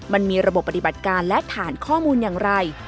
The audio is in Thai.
มันมีระบบปฏิบัติการและฐานข้อมูลอย่างไร